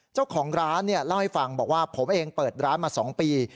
เจ้าของร้านเล่าให้ฟังบอกว่าผมเองเปิดร้านมา๒ปี